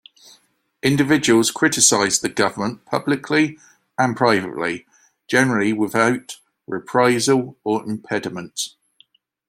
Individuals criticize the government publicly and privately, generally without reprisal or impediment.